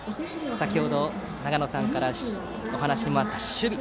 先程、長野さんからお話もあった守備。